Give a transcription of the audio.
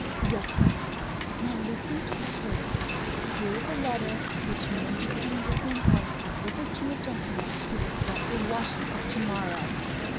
"Yes, my dear. Now, listen carefully. Here is a letter which Major Anderson wants delivered to a gentleman who will start for Washington to morrow.